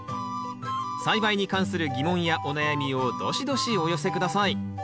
栽培に関する疑問やお悩みをドシドシお寄せください。